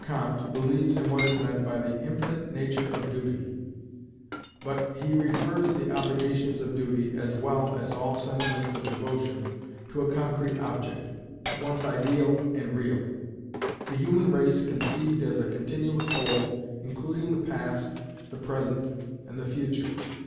Comte believes in what is meant by the infinite nature of duty, but ho refers the obligations of duty, as well as all sentiments of devotion, to a concrete object, at once ideal and real; the Human Race, conceived as a continuous whole, including the past, the present, and the future.